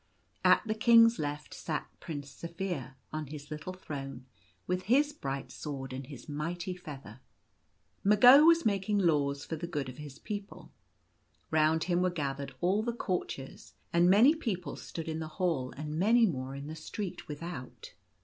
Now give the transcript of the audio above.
At the King's left sat Prince Zaphir, on his little throne, with his bright sword and his mighty feather. Mago was making laws for the good of his people. Round him were gathered all the courtiers, and many people stood in the hall and many more in the street without.